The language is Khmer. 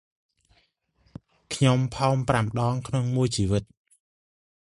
ខ្ញុំផោមប្រាំដងក្នុងមួយជីវិត។